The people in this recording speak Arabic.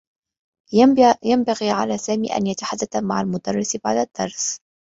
ينبغي على سامي أن يتحدّث مع المدرّس بعد الدّرس.